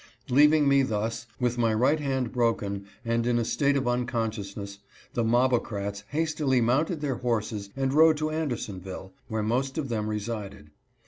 Leaving me thus, with my right hand broken, and in a state of uncon sciousness, the mobocrats hastily mounted their horses and rode to Andersonville, where most of them resided.